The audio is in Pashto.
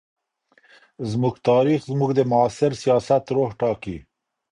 زموږ تاریخ زموږ د معاصر سیاست روح ټاکي.